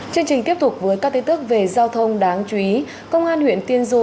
chương trình tiếp tục với các tin tức về giao thông đáng chú ý công an huyện tiên du